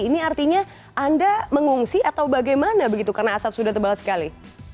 ini artinya anda mengungsi atau bagaimana begitu karena asap sudah tebal sekali